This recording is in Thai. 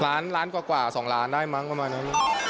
ล้านล้านกว่า๒ล้านได้มั้งประมาณนั้น